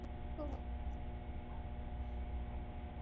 আর আপনি ওনাকে একথা বললেন।